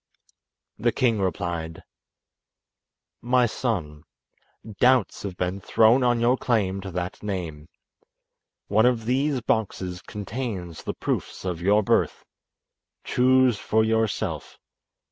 The king replied: "My son, doubts have been thrown on your claim to that name. One of these boxes contains the proofs of your birth. Choose for yourself.